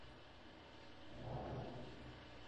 El comerciante fue a la policía, y Paulin fue arrestado.